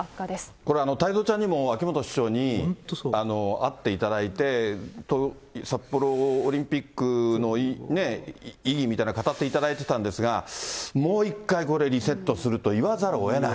これ太蔵ちゃんにも秋元市長に会っていただいて、札幌オリンピックのいい意義などを語っていただいてたんですけれども、もう一回、これ、リセットすると言わざるをえない。